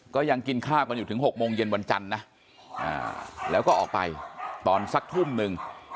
ก็ยังกินข้าวกันอยู่ถึง๖โมงเย็นวันจันทร์นะแล้วก็ออกไปตอนสักทุ่มหนึ่ง